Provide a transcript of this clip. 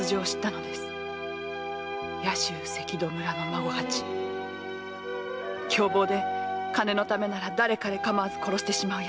関戸村の孫八凶暴なヤツで金のためなら誰彼かまわず殺してしまうヤツです。